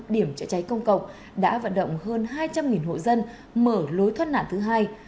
một một mươi năm điểm chữa cháy công cộng đã vận động hơn hai trăm linh hộ dân mở lối thoát nạn thứ hai